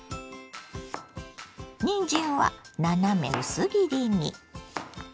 にんじんは斜め薄切りに。